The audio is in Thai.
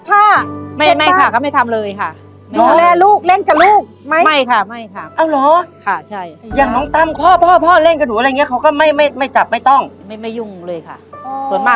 ตอนนี้เราจะได้เจอกันอยู่แล้วทำไมทำไมถึงเป็นแบบนี้อ่ะ